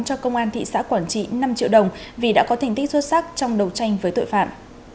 cho công an thị xã quảng trị năm triệu đồng vì đã có thành tích xuất sắc trong đấu tranh với tội phạm